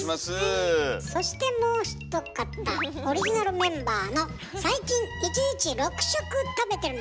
そしてもう一方オリジナルメンバーの最近１日６食食べてるのね。